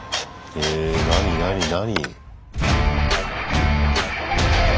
えっ何何何。